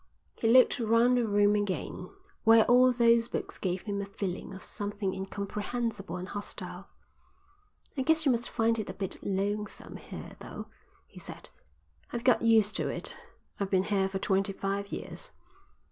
He looked round the room again, where all those books gave him a feeling of something incomprehensible and hostile. "I guess you must find it a bit lonesome here though," he said. "I've got used to it. I've been here for twenty five years."